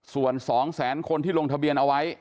ส่วน๒แสนคนที่ลงทะเบียนเอาไว้